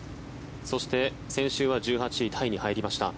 そして、先週は１８位タイに入りました。